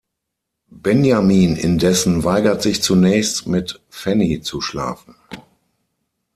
Benjamin indessen weigert sich zunächst, mit Fanny zu schlafen.